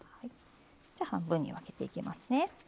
じゃ半分に分けていきますね。